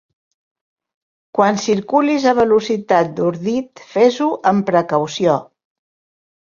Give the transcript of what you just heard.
Quan circulis a velocitat d'ordit, fes-ho amb precaució!